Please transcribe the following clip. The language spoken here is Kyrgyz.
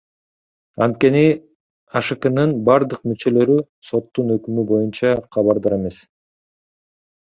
Анткени АШКнын бардык мүчөлөрү соттун өкүмү боюнча кабардар эмес.